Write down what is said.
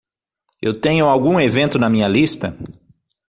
Eu tenho algum evento na minha lista?